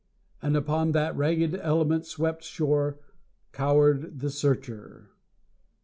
And, upon that ragged, element swept shore, cowered the Searcher.